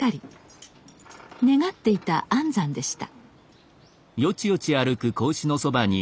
願っていた安産でした。